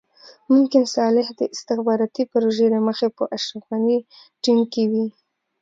ممکن صالح د استخباراتي پروژې له مخې په اشرف غني ټيم کې وي.